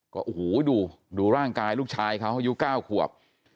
ก็โอ้โหดูร่างกายลูกชายเขาอายุ๙ขวบ